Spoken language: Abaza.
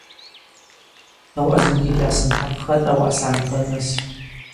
Ауаса зынгьи йгьгӏасымтахъхатӏ ауаъа сгӏанхарныс.